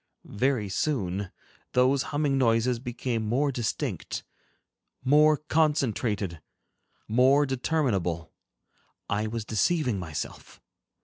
Very soon, those humming noises became more distinct, more concentrated, more determinable, I was deceiving myself.